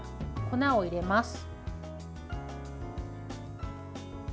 粉を入れます。